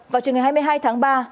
vào trường ngày hai mươi hai tháng ba